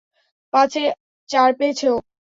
পাঁচে চার পেয়েছে ও!